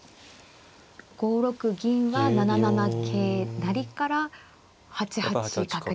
５六銀は７七桂成から８八角ですか。